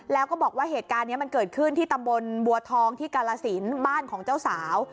แล้วก็บอกว่าเหตุการณ์นี้มันเกิดขึ้นที่ตำบลบัวทองที่กาลสินบ้านของเจ้าสาว